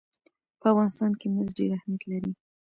په افغانستان کې مس ډېر اهمیت لري.